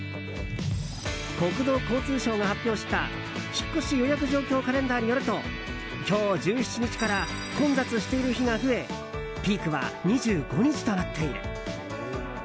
国土交通省が発表した引越予約状況カレンダーによると今日１７日から混雑している日が増えピークは２５日となっている。